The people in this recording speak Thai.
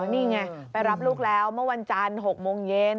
นี่ไงไปรับลูกแล้วเมื่อวันจันทร์๖โมงเย็น